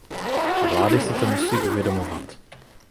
Vlády si to musí uvědomovat.